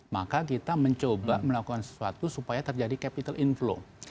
maka kita mencoba melakukan sesuatu supaya terjadi capital inflow